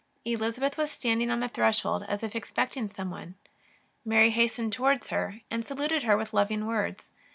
Elizabeth was standing on the threshold as if expect ing someone. Mary hastened towards her, and saluted her with loving words.